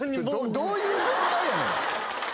どういう状態やねん。